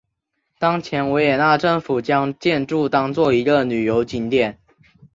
当前维也纳政府将建筑当作一个旅游景点。